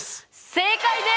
正解です！